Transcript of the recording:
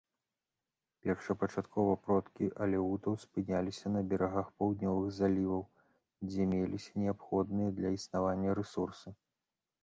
Першапачаткова продкі алеутаў спыняліся на берагах паўднёвых заліваў, дзе меліся неабходныя для існавання рэсурсы.